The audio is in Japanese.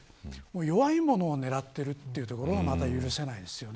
弱い者をねらっているというところがまた許せないです。